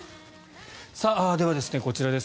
ではこちらです。